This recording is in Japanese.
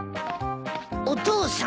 お父さん？